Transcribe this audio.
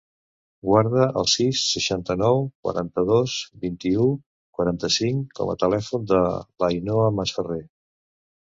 Guarda el sis, setanta-nou, quaranta-dos, vint-i-u, quaranta-cinc com a telèfon de l'Ainhoa Masferrer.